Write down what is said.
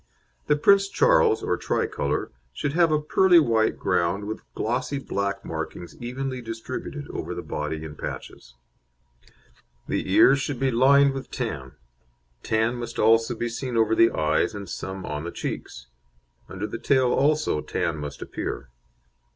The Prince Charles, or Tricolour, should have a pearly white ground with glossy black markings evenly distributed over the body in patches. The ears should be lined with tan; tan must also be seen over the eyes, and some on the cheeks. Under the tail also tan must appear.